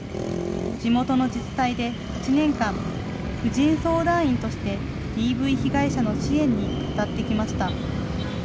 地元の自治体で８年間、婦人相談員としてＤＶ被害者の支援に当たってきました。